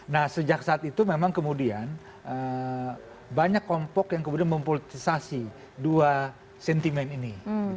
nah sejak saat itu memang kemudian banyak kompok yang kemudian mempolitisasi dua sentimen ini